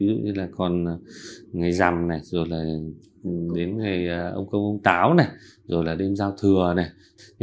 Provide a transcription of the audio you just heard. rồi ngày rằm này rồi là đến ngày ông cơm ông táo này rồi là đêm giao thừa này